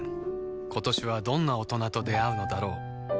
今年はどんな大人と出会うのだろう